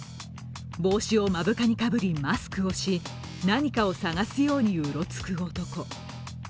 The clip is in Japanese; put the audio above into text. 帽子を目深にかぶりマスクをし、何かを探すようにうろつく男。